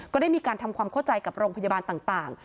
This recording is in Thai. ได้มีการทำความเข้าใจกับโรงพยาบาลต่าง